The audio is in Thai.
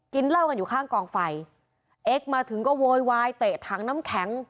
เหล้ากันอยู่ข้างกองไฟเอ็กซ์มาถึงก็โวยวายเตะถังน้ำแข็ง